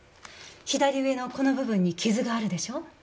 左腕のこの部分に傷があるでしょう？